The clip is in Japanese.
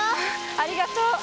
ありがとう！